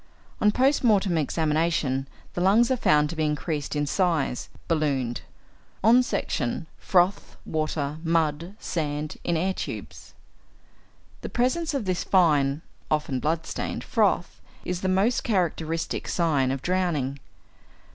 On post mortem examination, the lungs are found to be increased in size ('ballooned'); on section, froth, water mud, sand, in air tubes. The presence of this fine (often blood stained) froth is the most characteristic sign of drowning.